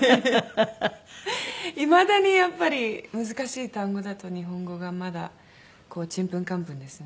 いまだにやっぱり難しい単語だと日本語がまだちんぷんかんぷんですね。